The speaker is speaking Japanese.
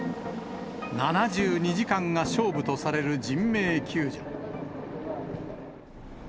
７２時間が勝負とされる人命救助。